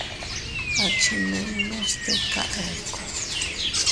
Achinninnu stika ekku.